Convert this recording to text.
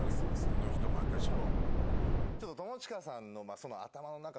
この人も私も。